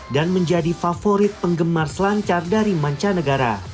dan menjadi favorit penggemar selancar dari manca negara